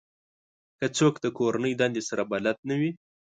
که څوک د کورنۍ دندې سره بلد نه وي